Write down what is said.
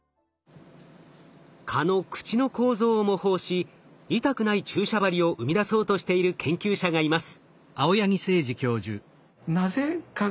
蚊の口の構造を模倣し痛くない注射針を生み出そうとしている研究者がいます。